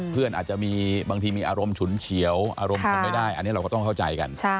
อาจจะมีบางทีมีอารมณ์ฉุนเฉียวอารมณ์คงไม่ได้อันนี้เราก็ต้องเข้าใจกัน